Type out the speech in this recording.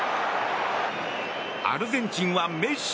アルゼンチンはメッシ。